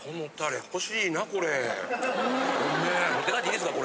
持って帰っていいっすか？